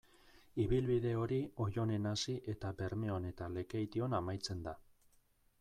Ibilbide hori Oionen hasi eta Bermeon eta Lekeition amaitzen da.